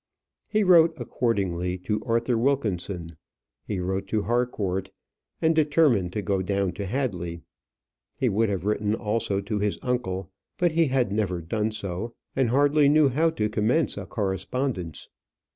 He wrote accordingly to Arthur Wilkinson; he wrote to Harcourt; and determined to go down to Hadley. He would have written also to his uncle, but he had never done so, and hardly knew how to commence a correspondence.